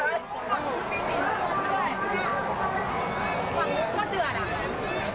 วิทยาลัยเมริกาวิทยาลัยเมริกา